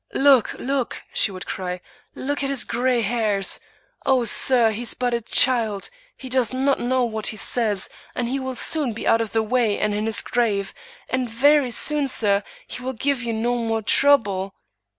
" Look, look," she would cry out, " look at his gray hairs! O, sir! he is but a child; he does not know what he says; and he will soon be out of the way and in his grave; and very soon, sir, he will give you no more trouble."